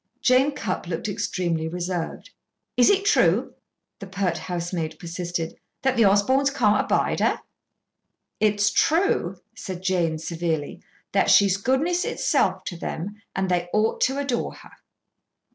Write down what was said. Jane Cupp looked extremely reserved. "Is it true," the pert housemaid persisted, "that the Osborns can't abide her?" "It's true," said Jane, severely, "that she's goodness itself to them, and they ought to adore her."